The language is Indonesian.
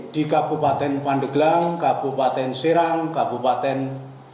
di kabupaten pandeglang kabupaten serang kabupaten